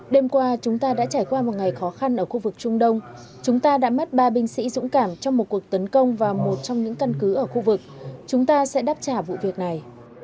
đêm qua chúng ta đã trải qua một ngày khó khăn ở khu vực trung đông chúng ta đã mất ba binh sĩ dũng cảm trong một cuộc tấn công vào một trong những căn cứ ở khu vực chúng ta sẽ đáp trả vụ việc này